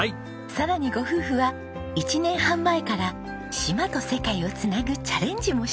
さらにご夫婦は１年半前から島と世界を繋ぐチャレンジもしているんです。